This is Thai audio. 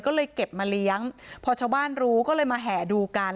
ก็เลยเก็บมาเลี้ยงพอชาวบ้านรู้ก็เลยมาแห่ดูกัน